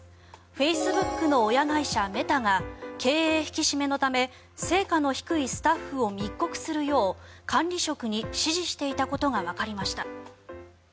フェイスブックの親会社メタが経営引き締めのため成果の低いスタッフを密告するよう管理職に指示していたことがわかりました。